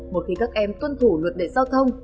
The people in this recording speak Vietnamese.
một khi các em tuân thủ luật lệ giao thông